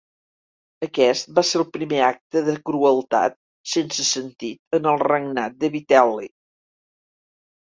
Aquest va ser el primer acte de crueltat sense sentit en el regnat de Vitel·li.